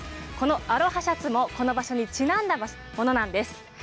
アロハシャツもこの場所にちなんだものです。